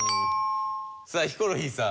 さあヒコロヒーさん。